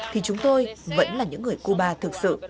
thì chúng tôi vẫn là những người cuba thực sự